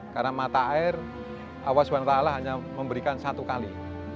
karena mata air awas wanita allah hanya memberikan satu kali